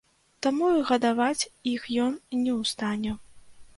Таму і гадаваць іх ён не ў стане.